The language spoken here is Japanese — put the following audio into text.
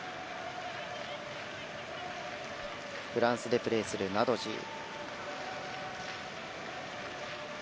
フランスでプレーするナドジー。